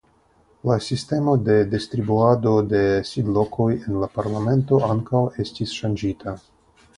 La sistemo de distribuado de sidlokoj en la parlamento ankaŭ estis ŝanĝita.